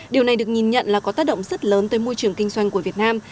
điều này được nhìn nhận là có tác động rất lớn tới môi trường kinh doanh của việt nam